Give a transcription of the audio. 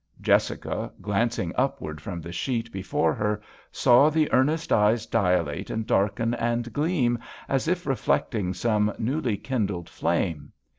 Jessica, glancing up wards from the sheet before her, saw the earnest eyes dilate and darken and gleam as if reflect ing some newly kindled flame.